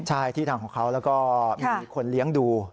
ใช่ที่ทางของเขาแล้วก็มีคนเลี้ยงดู